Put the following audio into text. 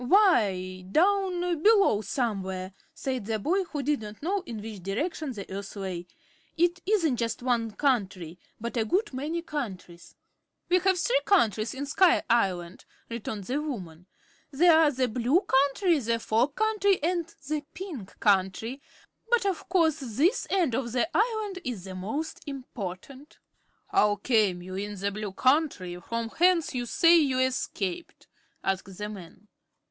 "Why, down below, somewhere," said the boy, who did not know in which direction the Earth lay. "It isn't just one country, but a good many countries." "We have three countries in Sky Island," returned the woman. "They are the Blue Country, the Fog Country and the Pink Country; but of course this end of the Island is the most important." "How came you in the Blue Country, from whence you say you escaped?" asked the man.